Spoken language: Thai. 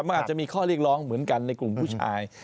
มันอาจจะมีข้อเรียกร้องเหมือนกันในกลุ่มผู้ชาย